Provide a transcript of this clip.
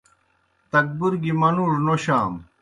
تکبُر گیْ منُوڙوْ نوشانوْ۔